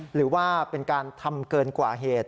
หรือว่าเป็นการทำเกินกว่าเหตุ